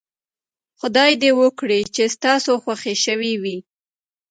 خدای دې وکړي چې ستاسو خوښې شوې وي.